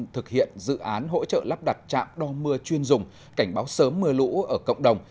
thực hiện dự án hỗ trợ lắp đặt trạm đo mưa chuyên dùng cảnh báo sớm mưa lũ ở cộng đồng